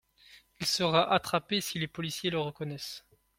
Il sera attrapé si les policiers le reconnaissent.